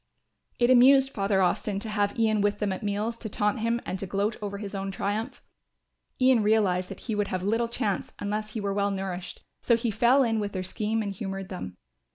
It amused Father Austin to have Ian with them at meals to taunt him and to gloat over his own triumph. Ian realised that he would have little chance unless he were well nourished, so he fell in with their scheme and humoured them.